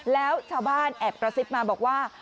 แล้วชาวบ้านแอบกระซิบมาบอกว่า